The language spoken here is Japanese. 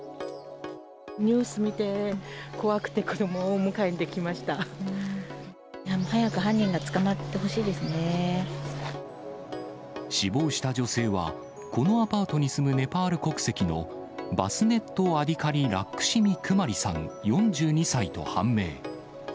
ニュース見て、怖くて、早く犯人が捕まってほしいで死亡した女性は、このアパートに住むネパール国籍のバスネット・アディカリ・ラックシミ・クマリさん４２歳と判明。